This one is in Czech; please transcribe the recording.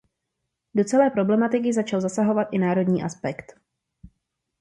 Do celé problematiky začal zasahovat i národnostní aspekt.